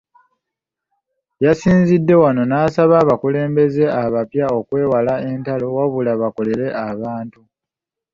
Yasinzidde wano n’asaba abakulembeze abapya okwewala entalo, wabula bakolere abantu.